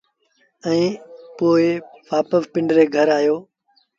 ائيٚݩ پو وآپس پنڊري گھر آيوس۔